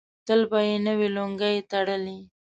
تل به یې نوې لونګۍ تړلې.